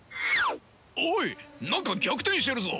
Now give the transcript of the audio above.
おい何か逆転してるぞ！